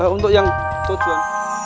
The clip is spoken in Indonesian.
untuk yang totwan